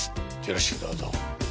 よろしくどうぞ。